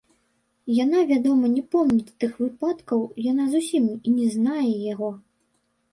Яна, вядома, не помніць тых выпадкаў, яна зусім і не знае яго.